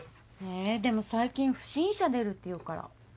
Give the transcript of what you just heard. えでも最近不審者出るっていうから。